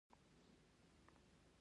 ایا زه باید خپل ګیډه کمه کړم؟